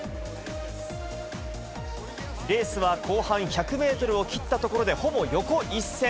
レースは後半１００メートルを切ったところでほぼ横一線。